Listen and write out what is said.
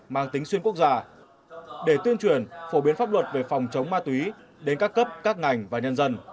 mang tính xuyên quốc gia để tuyên truyền phổ biến pháp luật về phòng chống ma túy đến các cấp các ngành và nhân dân